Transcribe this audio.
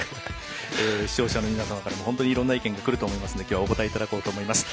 視聴者の皆様からも本当にいろんな意見がくると思いますけどきょうはお答えいただこうと思います。